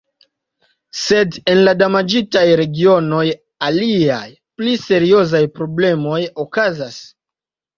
Sed en la damaĝitaj regionoj aliaj, pli seriozaj problemoj okazas.